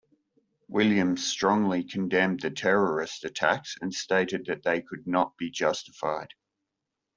Williams strongly condemned the terrorist attacks and stated that they could not be justified.